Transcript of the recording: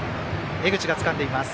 江口がつかんでいます。